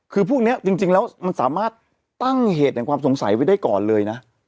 คือพวกนี้จริงแล้วมันสามารถตั้งเหตุแห่งความสงสัยไว้ได้ก่อนเลยนะ